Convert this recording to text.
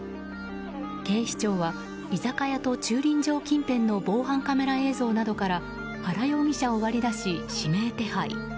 警視庁は居酒屋と駐輪場近辺の防犯カメラ映像などから原容疑者を割り出し指名手配。